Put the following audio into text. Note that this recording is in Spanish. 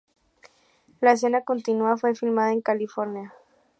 La escena continua fue filmada en California.